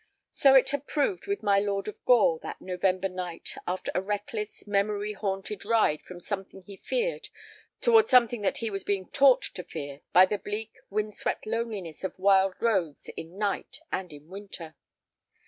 So it had proved with my Lord of Gore that November night after a reckless, memory haunted ride from something he feared toward something that he was being taught to fear by the bleak, wind swept loneliness of wild roads in night and in winter.